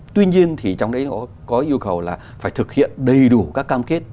tuy nhiên trong đấy có yêu cầu là phải thực hiện đầy đủ các cam kết